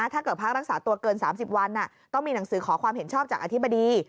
พักรักษาตัวเกิน๓๐วันต้องมีหนังสือขอความเห็นชอบจากอธิบดี